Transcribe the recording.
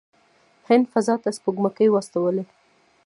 هند فضا ته سپوږمکۍ واستولې.